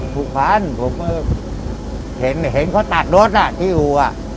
ผู้พันธุ์ผมเห็นเขาตากรถที่อู๋อะ